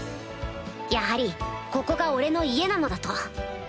やはりここが俺の家なのだと